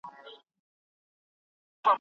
انسان د خپل ځان او طبيعت تر منځ اړيکي نه پوهيږي.